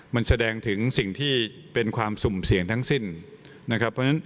มันแสดงถึงสิ่งที่เป็นความสุ่มเสี่ยงทั้งสิ้นนะครับ